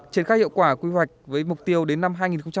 triển khai hiệu quả quy hoạch với mục tiêu đến năm hai nghìn ba mươi